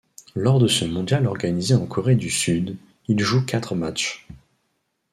Lors de ce mondial organisé en Corée du Sud, il joue quatre matchs.